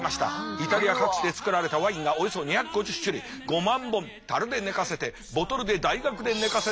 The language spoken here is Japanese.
イタリア各地で造られたワインがおよそ２５０種類５万本樽で寝かせてボトルで大学で寝かせて芳醇馥郁。